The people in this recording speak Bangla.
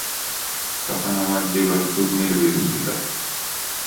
তখন আমার জীবন খুব নিরিবিলি ছিল।